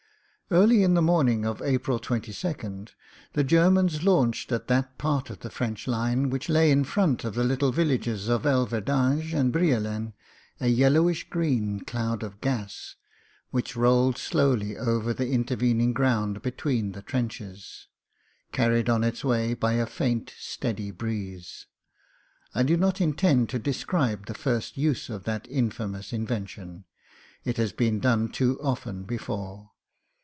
Early in the morning of April 22nd the Germans launched at that part of the French line which lay in front of the little villages of Elverdinge and Brielen, a yellowish green cloud of gas, which rolled slowly over the intervening ground between the trenches. 34 MEN, WOMEN AND GUNS carried on its way by a faint, steady breeze. I do not intend to describe the first use of that infamous invention — it has been done too often before.